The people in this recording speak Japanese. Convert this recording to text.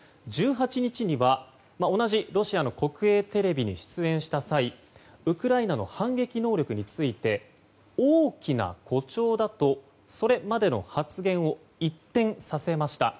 １８日には同じロシアの国営テレビに出演した際ウクライナの反撃能力について大きな誇張だとそれまでの発言を一転させました。